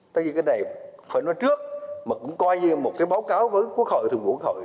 tại vì cái này phải nói trước mà cũng coi như một cái báo cáo với quốc hội thường vụ quốc hội